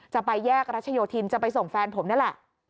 จะไปแยกรัชโยธินจะไปส่งแฟนผมนี่แหละ